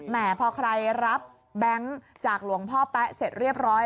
พอใครรับแบงค์จากหลวงพ่อแป๊ะเสร็จเรียบร้อย